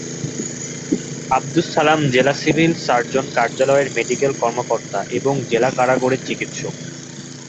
আবদুস সালাম জেলা civil surgeon কার্যালয়ের medical কর্মকর্তা এবং জেলা কারাগারের চিকিৎসক।